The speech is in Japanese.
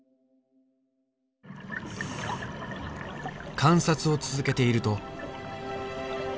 観察を続けていると。